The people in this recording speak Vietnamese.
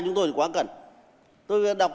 chúng tôi thì quá cần tôi đọc